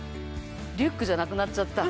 リュックじゃなくなっちゃった。